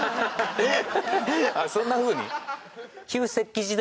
えっ？